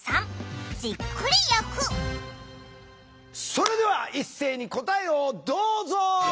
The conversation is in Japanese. それでは一斉に答えをどうぞ！